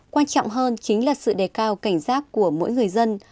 quan trọng hơn chính là sự đề cao cảnh giác của mỗi người dân